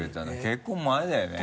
結構前だよね？